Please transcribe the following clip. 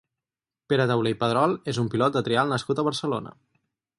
Pere Taulé i Pedrol és un pilot de trial nascut a Barcelona.